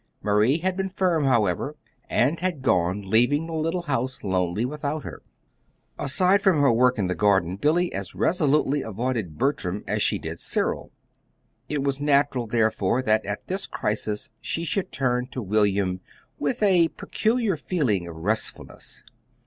Marie had been firm, however, and had gone, leaving the little house lonely without her. Aside from her work in the garden Billy as resolutely avoided Bertram as she did Cyril. It was natural, therefore, that at this crisis she should turn to William with a peculiar feeling of restfulness.